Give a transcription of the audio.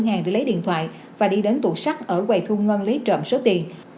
cửa hàng đi lấy điện thoại và đi đến tụ sắt ở quầy thu ngân lấy trộm số tiền